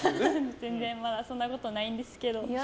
全然、まだそんなことないんですけど。